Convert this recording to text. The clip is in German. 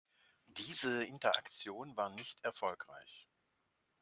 Diese Interaktion war nicht erfolgreich.